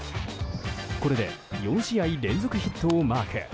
これで４試合連続ヒットをマーク。